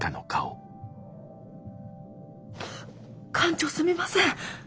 艦長すみません。